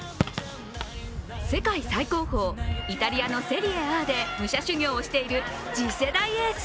世界最高峰・イタリアのセリエＡで武者修行をしている次世代エース。